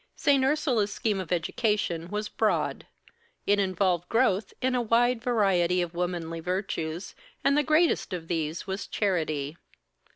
St. Ursula's scheme of education was broad; it involved growth in a wide variety of womanly virtues, and the greatest of these was charity.